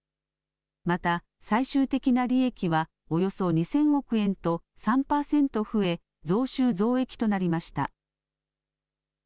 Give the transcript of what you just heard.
また最終的な利益はおよそ２０００億円と３％増え増収増益となりました。